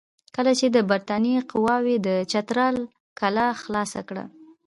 کله چې د برټانیې قواوو د چترال کلا خلاصه کړه.